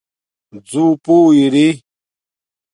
زُݸپُو اری